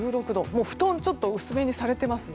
もう布団ちょっと薄めにされてます？